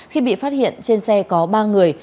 khi bị phát hiện trên xe có ba người